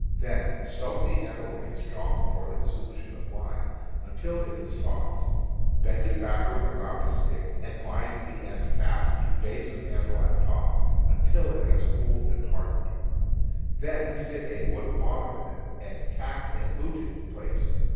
Then soak the handle in a strong boiling solution of lime until it is soft, bend it backward around a stick and bind the end fast to base of handle at top, until it has cooled and hardened; then fit a wooden bottom in it, and tack and lute it in place.